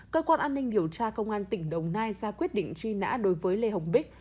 cơ quan an ninh điều tra công an tỉnh đồng nai ra quyết định truy nã đối với lê hồng bích